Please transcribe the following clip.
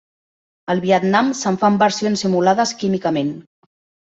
Al Vietnam se'n fan versions simulades químicament.